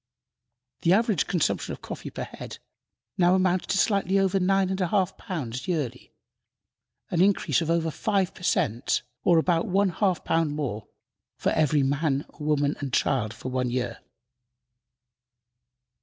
The average consumption of coffee per head now amounts to slightly over nine and a half pounds yearly, an increase of over five per cent., or about one half pound more for every man, woman and child for one year.